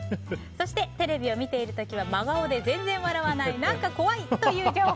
そしてテレビを見ている時は真顔で全然笑わない、何か怖い